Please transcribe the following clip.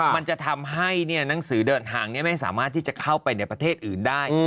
มันจะทำให้หนังสือเดินทางไม่สามารถที่จะเข้าไปในประเทศอื่นได้